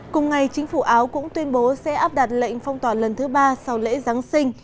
cùng ngày chính phủ áo cũng tuyên bố sẽ áp đặt lệnh phong tỏa lần thứ ba sau lễ giáng sinh